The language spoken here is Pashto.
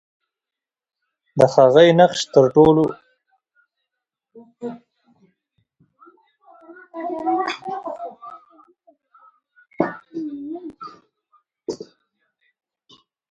د هغې نقش تر نورو ټاکونکی دی.